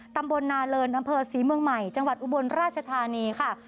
ตำบลนาเลินอำเภอศรีเมืองใหม่จังหวัดอุบลราชธานีค่ะ